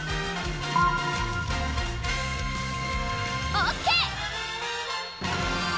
ＯＫ！